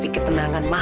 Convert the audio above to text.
siapa yang bukannya